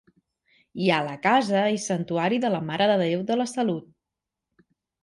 Hi ha la casa i santuari de la Mare de Déu de la Salut.